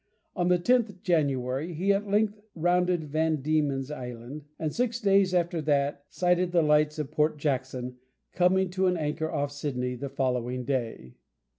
On the 10th January he at length rounded Van Diemen's Island, and six days after that sighted the lights of Port Jackson, coming to an anchor off Sydney the following day.